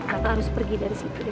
raka harus pergi dari situ deh